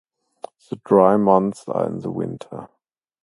The dry months are in the winter.